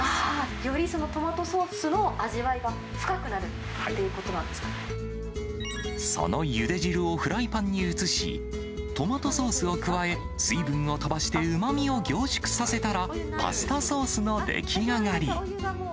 よりそのトマトソースの味わいが深くなるっていうことなんでそのゆで汁をフライパンに移し、トマトソースを加え、水分を飛ばしてうまみを凝縮させたら、パスタソースの出来上がり。